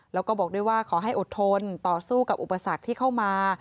แล้วก็บอกด้วยว่าขอให้อดทนต่อสู้กับอุปสรรคที่เข้ามา